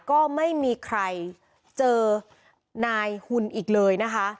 ก็ไม่มีใครเจอนายหุ่นอีกเลยนะคะ